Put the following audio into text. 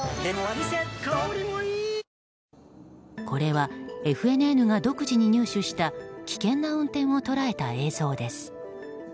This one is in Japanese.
これはＦＮＮが独自に入手した危険な運転を捉えた映像です。